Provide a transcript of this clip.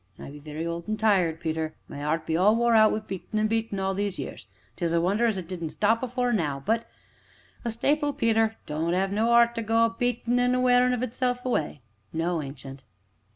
"An' I be very old an' tired, Peter; my 'eart be all wore out wi' beatin' an' beatin' all these years 'tis a wonder as it didn't stop afore now but a a stapil, Peter, don't 'ave no 'eart to go a beatin' an' a wearin' of itself away?" "No, Ancient."